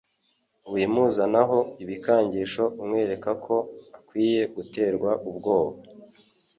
Wimuzanaho ibikangisho umwereka ko akwiye guterwa ubwoba